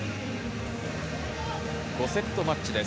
５セットマッチです。